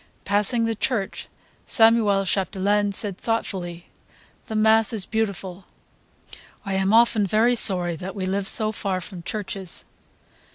Passing the church, Samuel Chapdelaine said thoughtfully "The mass is beautiful. I am often very sorry that we live so far from churches.